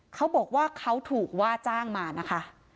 เขาบอกว่าเขาถูกว่าจ้างมานะคะ